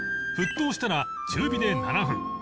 沸騰したら中火で７分